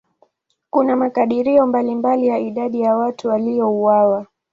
Kuna makadirio mbalimbali ya idadi ya watu waliouawa.